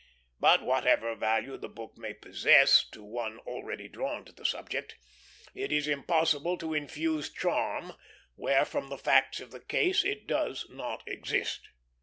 But, whatever value the book may possess to one already drawn to the subject, it is impossible to infuse charm where from the facts of the case it does not exist.